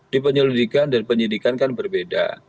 di penyelidikan dan penyidikan kan berbeda